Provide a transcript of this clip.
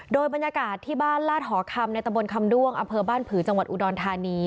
โดยบรรยากาศที่บ้านลาดหอคำในตะบนคำด้วงอำเภอบ้านผือจังหวัดอุดรธานี